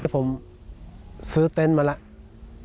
ผมซื้อเต็นมาแล้ว